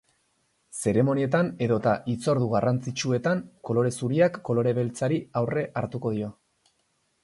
Zeremonietan edota hitzordu garrantzitsuetan, kolore zuriak kolore beltzari aurre hartuko dio.